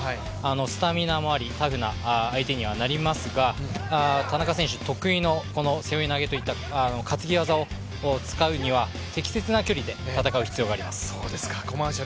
スタミナもあり、タフな相手にはなりますが田中選手、得意の背負い投げといった担ぎ技を使うにはこんにちは。